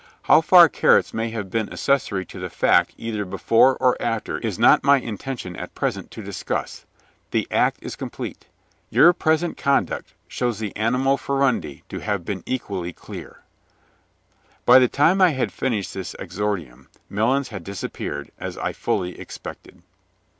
How far Carrots may have been accessory to the fact either before or after, is not my intention at present to discuss. The act is complete. Your present conduct shows the animo furandi to have been equally clear." By the time I had finished this exordium, Melons had disappeared, as I fully expected.